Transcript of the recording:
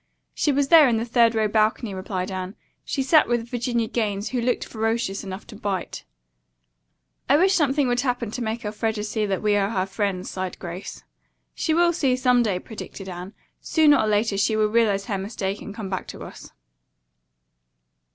"She was there, in the third row balcony," replied Anne. "She sat with Virginia Gaines, who looked ferocious enough to bite." "I wish something would happen to make Elfreda see that we are her friends," sighed Grace. "She will see, some day," predicted Anne. "Sooner or later she will realize her mistake and come back to us."